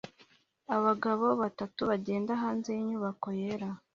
Abagabo batatu bagenda hanze yinyubako yera